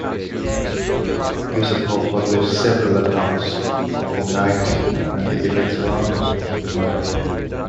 Yusupov published several accounts of the night and the events surrounding the murder.